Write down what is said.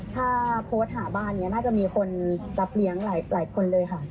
ถ้าโพสต์หาบ้านนี้น่าจะมีคนรับเลี้ยงหลายคนเลยค่ะ